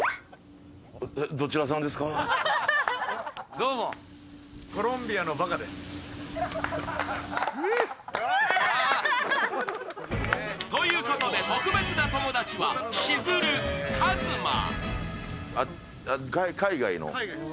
どうも。ということで特別な友達はしずる・ＫＡＺＭＡ。